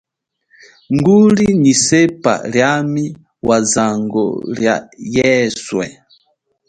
Nguli nyi sepa liami wazango lia yeswe.